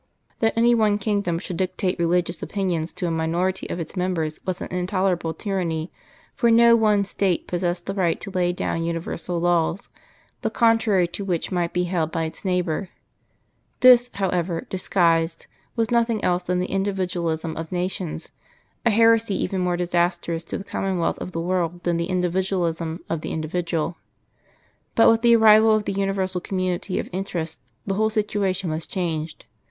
That any one kingdom should dictate religious opinions to a minority of its members was an intolerable tyranny, for no one State possessed the right to lay down universal laws, the contrary to which might be held by its neighbour. This, however, disguised, was nothing else than the Individualism of Nations, a heresy even more disastrous to the commonwealth of the world than the Individualism of the Individual. But with the arrival of the universal community of interests the whole situation was changed.